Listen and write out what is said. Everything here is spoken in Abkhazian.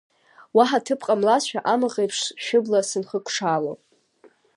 Уаҳа ҭыԥ ҟамлазшәа, амаӷ еиԥш шәыбла сынхыкшало…